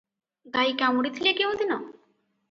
ଗାଈ କାମୁଡ଼ିଥିଲେ କେଉଁ ଦିନ?